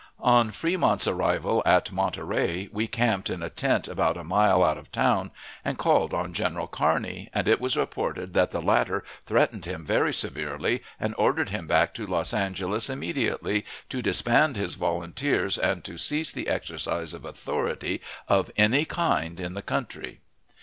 On Fremont's arrival at Monterey, he camped in a tent about a mile out of town and called on General Kearney, and it was reported that the latter threatened him very severely and ordered him back to Los Angeles immediately, to disband his volunteers, and to cease the exercise of authority of any kind in the country.